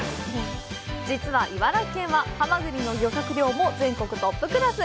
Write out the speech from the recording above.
実は茨城県はハマグリの漁獲量も全国トップクラス！